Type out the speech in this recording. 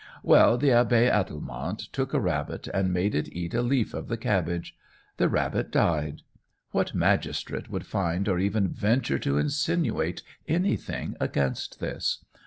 Well, the Abbé Adelmonte took a rabbit and made it eat a leaf of the cabbage. The rabbit died. What magistrate would find or even venture to insinuate anything against this?